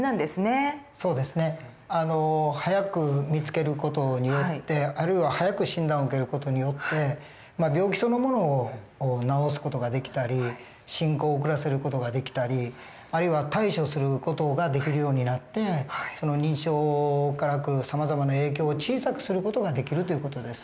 そうですね。早く見つける事によってあるいは早く診断を受ける事によって病気そのものを治す事ができたり進行を遅らせる事ができたりあるいは対処する事ができるようになって認知症からくるさまざまな影響を小さくする事ができるという事です。